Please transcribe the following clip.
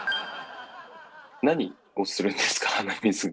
何をするんですか鼻水が。